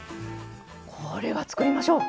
これは、作りましょう。